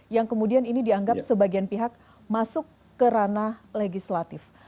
yang kemudian ini dianggap sebagian pihak masuk ke ranah legislatif